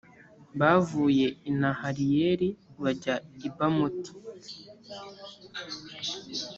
bavuye i nahaliyeli bajya i bamoti.